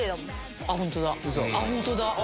本当だ。